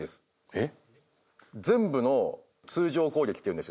えっ？